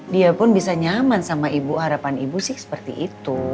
dia pun bisa nyaman sama ibu harapan ibu sih seperti itu